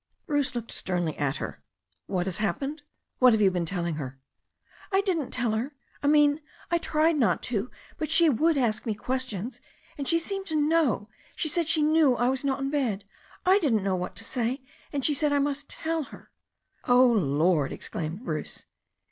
Bruce looked sternly at her. "What has happened? What have you been telling her?'^ "I didn't tell her. I mean I tried not to, but she would ask me questions. And she seemed to know — she said she knew I was not in bed. I didn't know what to say, and she said I must tell her." "Oh, Lord!" exclaimed Bruce.